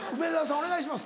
お願いします。